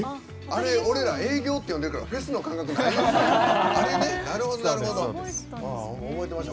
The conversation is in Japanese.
あれ、俺ら営業って呼んでるからフェスの感覚じゃないんですよ。